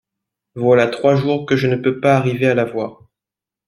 Voilà trois jours que je ne peux pas arriver à la voir.